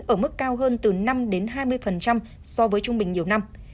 ở mức cao hơn từ năm hai mươi so với trung bình nhiều năm